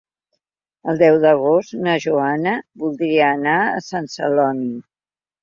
El deu d'agost na Joana voldria anar a Sant Celoni.